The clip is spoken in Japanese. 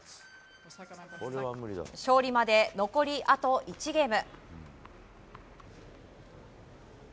勝利まで残りあと１ゲーム。